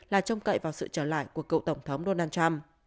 là trông cậy vào sự trở lại của cựu tổng thống donald trump